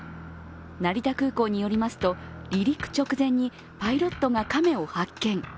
成田空港によりますと離陸直前にパイロットが亀を発見。